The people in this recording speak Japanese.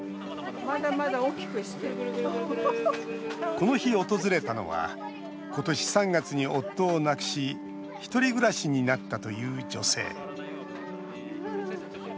この日訪れたのは今年３月に夫を亡くしひとり暮らしになったという女性。